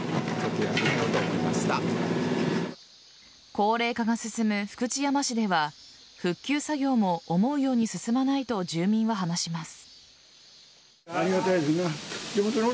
高齢化が進む福知山市では復旧作業も思うように進まないと住民は話します。